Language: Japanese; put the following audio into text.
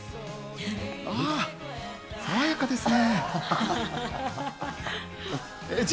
あ、さわやかですね。